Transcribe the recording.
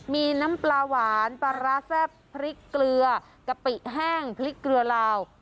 มีน้ำปลาหวานปลาร้าแซ่บพริกเกลือกะปิแห้งพริกเกลือลาว